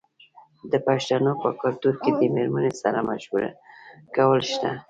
د پښتنو په کلتور کې د میرمنې سره مشوره کول شته.